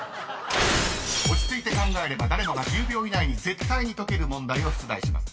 ［落ち着いて考えれば誰もが１０秒以内に絶対に解ける問題を出題します。